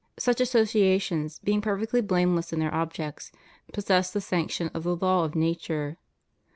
241 associations, being perfectly blameless in their objects, possess the sanction of the law of nature.